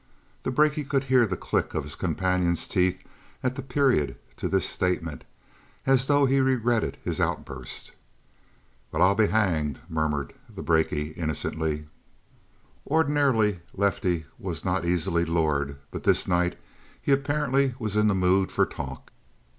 The brakie could hear the click of his companion's teeth at the period to this statement, as though he regretted his outburst. "Well, I'll be hanged," murmured the brakie innocently. Ordinarily, Lefty was not easily lured, but this night he apparently was in the mood for talk.